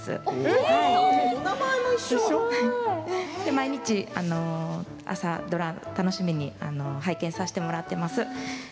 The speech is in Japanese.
毎日、朝ドラを楽しみに拝見させてもらっています。